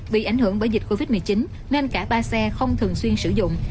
bị ảnh hưởng bởi dịch covid một mươi chín nên cả ba xe không thường xuyên sử dụng